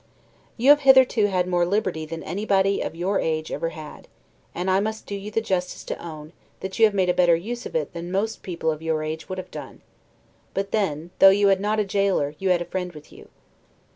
You have hitherto had more liberty than anybody of your age ever had; and I must do you the justice to own, that you have made a better use of it than most people of your age would have done; but then, though you had not a jailer, you had a friend with you.